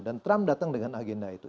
dan trump datang dengan agenda itu